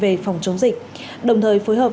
về phòng chống dịch đồng thời phối hợp